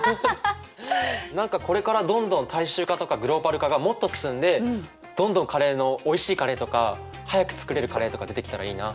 何かこれからどんどん大衆化とかグローバル化がもっと進んでどんどんカレーのおいしいカレーとか早く作れるカレーとか出てきたらいいな。